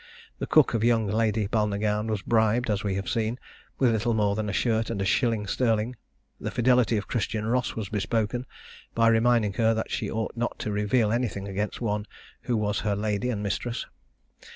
The cook of young Lady Balnagown was bribed, as we have seen, with little more than a shirt and a shilling sterling! The fidelity of Christian Ross was bespoken, by reminding her that she ought not to reveal anything against one who was her lady and mistress.